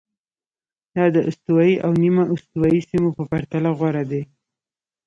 دا د استوایي او نیمه استوایي سیمو په پرتله غوره دي.